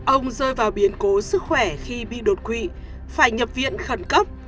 ông rơi vào biến cố sức khỏe khi bị đột quỵ phải nhập viện khẩn cấp